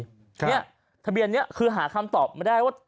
เนี่ยทะเบียนนี้คือหาคำตอบไม่ได้ว่า